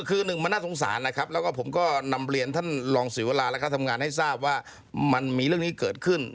คือหนึ่งมันน่าสงสารนะครับแล้วก็ผมก็นำเรียนท่านรองศิวราแล้วก็ทำงานให้ทราบว่ามันมีเรื่องนี้เกิดขึ้น